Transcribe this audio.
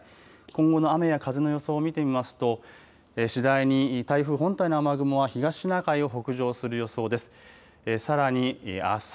今後の雨や風の予想を見てみますと次第に台風本体の雨雲は東シナ海を北上する予想です。